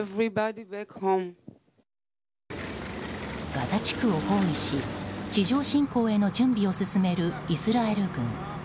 ガザ地区を包囲し地上侵攻への準備を進めるイスラエル軍。